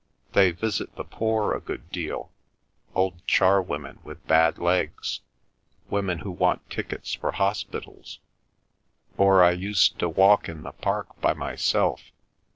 They visit the poor a good deal—old char women with bad legs, women who want tickets for hospitals. Or I used to walk in the park by myself.